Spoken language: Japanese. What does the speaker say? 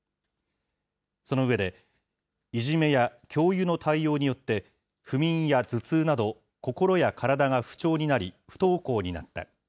その上で、いじめや教諭の対応によって、不眠や頭痛など、心や体が不調になり、不登校になった。